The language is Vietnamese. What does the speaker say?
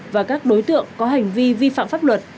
và các đối tượng có hành vi vi phạm pháp luật